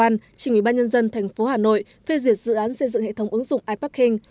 nhân dân tp hà nội phê duyệt dự án xây dựng hệ thống ứng dụng iparking